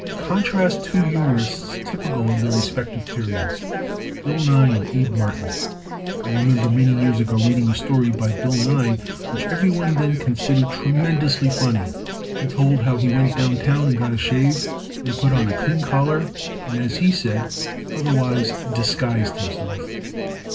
"Contrast two humorists typical of their re spective periods Bill Nye and Abe Martin. I remember many years ago reading a story by Bill Nye which every one then considered tre mendously funny. He told how he went down town and got a shave and put on a clean collar and as he said, 'otherwise disguised himself.'